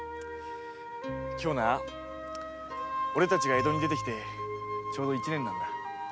今日はおれたちが江戸に出て来てちょうど一年なんだ。